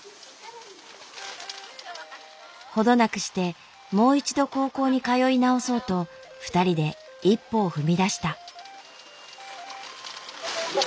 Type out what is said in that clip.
ほどなくしてもう一度高校に通い直そうと２人で一歩を踏み出した。